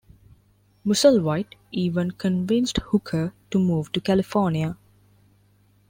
Musselwhite even convinced Hooker to move to California.